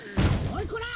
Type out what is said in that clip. おいこら！